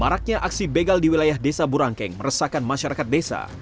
maraknya aksi begal di wilayah desa burangkeng meresahkan masyarakat desa